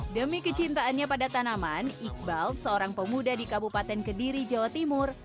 demi kecintaannya pada tanaman iqbal seorang pemuda di kabupaten kediri jawa timur